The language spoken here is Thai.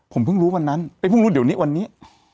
ผมเพิ่งรู้วันนั้นไปเพิ่งรู้เดี๋ยวนี้วันนี้